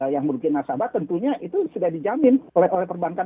yang merugikan nasabah tentunya itu sudah dijamin oleh perbankan